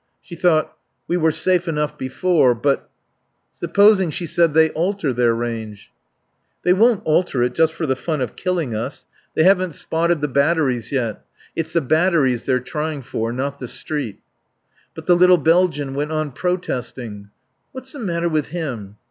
She thought: We were safe enough before, but "Supposing," she said, "they alter their range?" "They won't alter it just for the fun of killing us. They haven't spotted the batteries yet. It's the batteries they're trying for, not the street." But the little Belgian went on protesting. "What's the matter with him?"